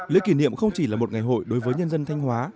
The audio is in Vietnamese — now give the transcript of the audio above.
lễ kỷ niệm không chỉ là một ngày hội đối với nhân dân thanh hóa